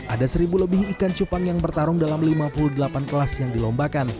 ada seribu lebih ikan cupang yang bertarung dalam lima puluh delapan kelas yang dilombakan